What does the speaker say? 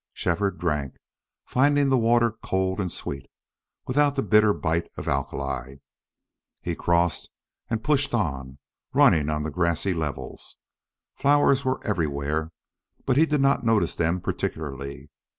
Shefford drank, finding the water cold and sweet, without the bitter bite of alkali. He crossed and pushed on, running on the grassy levels. Flowers were everywhere, but he did not notice them particularly.